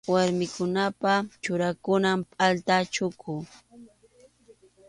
Warmikunapa churakunan pʼalta chuku.